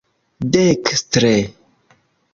dekstre